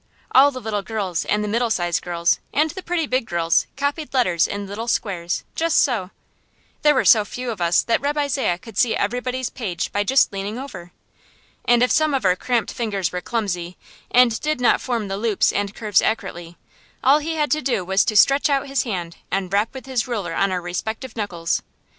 All the little girls and the middle sized girls and the pretty big girls copied letters in little squares, just so. There were so few of us that Reb' Isaiah could see everybody's page by just leaning over. And if some of our cramped fingers were clumsy, and did not form the loops and curves accurately, all he had to do was to stretch out his hand and rap with his ruler on our respective knuckles.